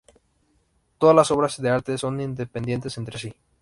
Todas las obras de arte son independientes entre sí.